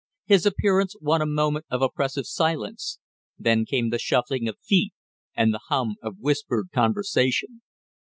His appearance won a moment of oppressive silence, then came the shuffling of feet and the hum of whispered conversation.